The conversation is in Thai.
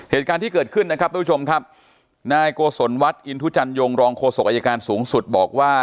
เหตุการณ์ที่เกิดขึ้นนะครับทุกผู้ชมครับนายโกศลวัดอินทุจันยงรองโฆษกอายการสูงสุดบอกว่า